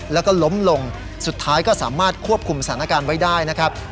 แล้วก็ล้มลงสุดท้ายก็สามารถควบคุมสถานการณ์ไว้ได้นะครับ